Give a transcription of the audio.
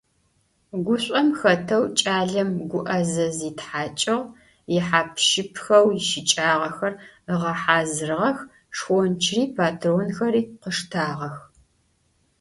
Гушӏом хэтэу кӏалэм гуӏэзэ зитхьакӏыгъ, ихьап-щыпыхэу ищыкӏагъэхэр ыгъэхьазырыгъэх, шхончыри патронхэри къыштагъэх.